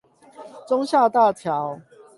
忠孝大橋